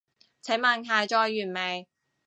請問下載完未？